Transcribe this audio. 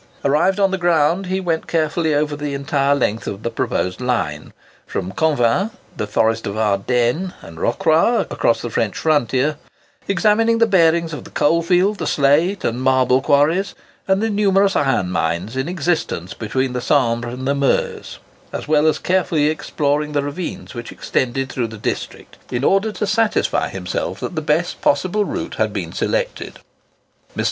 Arrived on the ground, he went carefully over the entire length of the proposed line, to Convins, the Forest of Ardennes, and Rocroi, across the French frontier; examining the bearings of the coal field, the slate and marble quarries, and the numerous iron mines in existence between the Sambre and the Meuse, as well as carefully exploring the ravines which extended through the district, in order to satisfy himself that the best possible route had been selected. Mr.